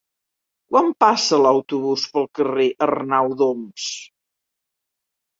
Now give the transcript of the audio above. Quan passa l'autobús pel carrer Arnau d'Oms?